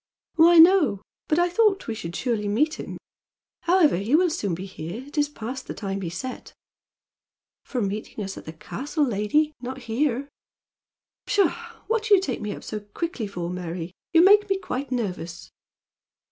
"Why, no; but I thought we should surely meet him. However, he will soon be here. It is past the time he set." "For meeting us at the castle, lady, not here." "Pshaw! What do you take me up so quickly for, Mary? You make me quite nervous."